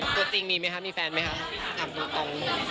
ตัวจริงมีไหมค่ะมีแฟนไหมค่ะ